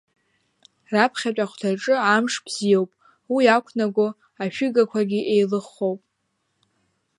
Раԥхьатәи ахәҭаҿы амш бзиоуп, уи иақәнаго ашәыгақәагьы еилыххоуп…